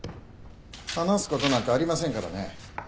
話すことなんてありませんからね。